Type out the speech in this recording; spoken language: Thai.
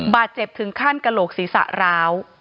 บาดเจ็บถึงขั้นกระโหลกศีรษะร้าว